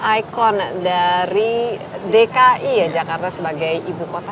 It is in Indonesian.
jadi icon dari dki jakarta sebagai ibu kota